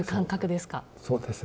そうですね。